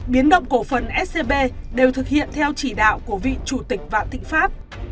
biến động cổ phần scb đều thực hiện theo chỉ đạo của vị chủ tịch vạn thịnh pháp